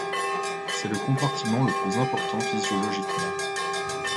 C'est le compartiment le plus important physiologiquement.